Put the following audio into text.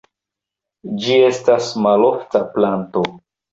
Ĝi estas malofta planto.